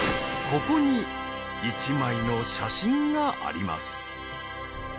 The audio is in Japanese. ここに一枚の写真があります。